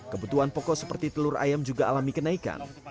kebutuhan pokok seperti telur ayam juga alami kenaikan